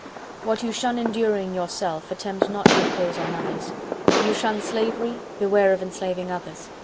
XLI What you shun enduring yourself, attempt not to impose on others. You shun slavery—beware of enslaving others!